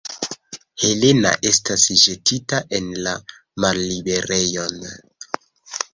Helena estas ĵetita en la malliberejon.